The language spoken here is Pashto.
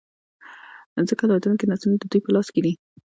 ځـکـه راتـلونکي نـسلونه د دوي پـه لاس کـې دي.